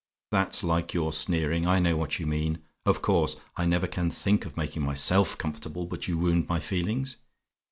"That's like your sneering; I know what you mean. Of course; I never can think of making myself comfortable, but you wound my feelings.